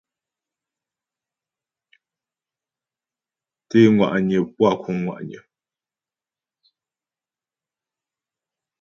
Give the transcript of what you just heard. Té ŋwa'nyə puá kǔŋ ŋwa'nyə.